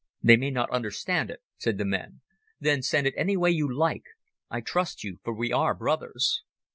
"They may not understand it," said the man. "Then send it any way you like. I trust you, for we are brothers."